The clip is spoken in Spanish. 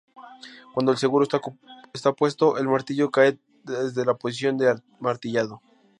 Cuando el seguro está puesto, el martillo cae desde la posición de amartillado.